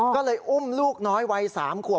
ก็เลยอุ้มลูกน้อยวัย๓ขวบ